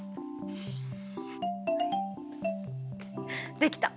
できた！